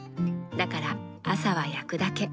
だから朝は焼くだけ。